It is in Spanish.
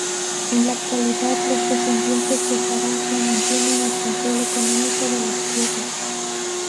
En la actualidad los descendientes de Saravia mantienen el control económico de las tierras.